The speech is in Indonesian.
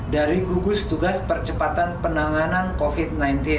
dari gugus tugas percepatan penanganan covid sembilan belas